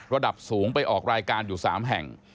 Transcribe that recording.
ระดับสูงไปออกรายการอยู่๓แห่ง